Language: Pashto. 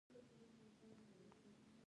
آیا ایران د افغانستان لویدیځ ګاونډی نه دی؟